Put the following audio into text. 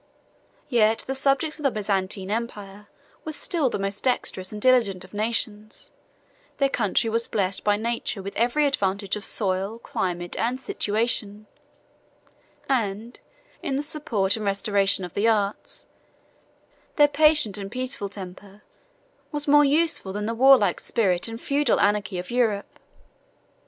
Yet the subjects of the Byzantine empire were still the most dexterous and diligent of nations; their country was blessed by nature with every advantage of soil, climate, and situation; and, in the support and restoration of the arts, their patient and peaceful temper was more useful than the warlike spirit and feudal anarchy of Europe.